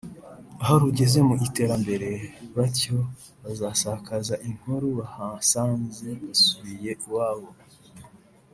aho rugeze mu iterambere bityo bazasakaze inkuru bahasanze basubiye iwabo”